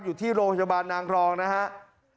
อยู่ที่โรงพยาบาลนางรองนะครับ